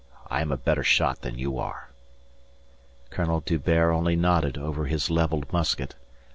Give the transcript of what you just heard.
I am a better shot than you are." Colonel D'Hubert only nodded over his levelled musket.